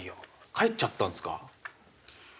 帰っちゃったんですか？